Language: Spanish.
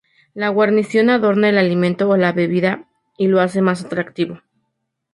La guarnición adorna el alimento o la bebida y lo hace más atractivo.